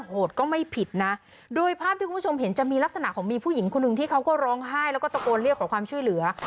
โหดก็ไม่ผิดนะโดยภาพที่คุณผู้ชมเห็นจะมีลักษณะของมีผู้หญิงคนหนึ่งที่เขาก็ร้องไห้แล้วก็ตะโกนเรียกขอความช่วยเหลือ